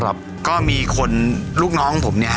ครับก็จากงานสับปะเหลอโลก